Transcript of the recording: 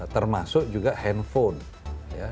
termasuk juga handphone